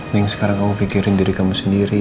nah yang sekarang kamu pikirin diri kamu sendiri